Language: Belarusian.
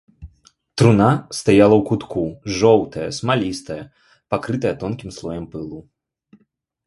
Труна стаяла ў кутку, жоўтая, смалістая, пакрытая тонкім слоем пылу.